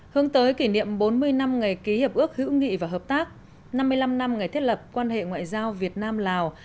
hướng tới kỷ niệm bốn mươi năm ngày ký hiệp ước hữu nghị và hợp tác năm mươi năm năm ngày thiết lập quan hệ ngoại giao việt nam lào